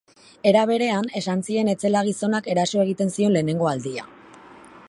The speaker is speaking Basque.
Era berean, esan zien ez zela gizonak eraso egiten zion lehenengo aldia.